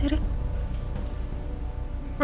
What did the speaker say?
berarti semakin kuat